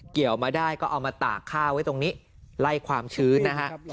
เกี่ยวมาได้ก็เอามาตากข้าวไว้ตรงนี้ไล่ความชื้นนะฮะ